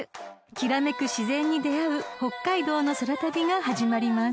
［きらめく自然に出合う北海道の空旅が始まります］